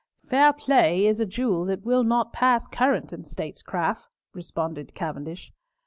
"Fair play is a jewel that will not pass current in statecraft," responded Cavendish.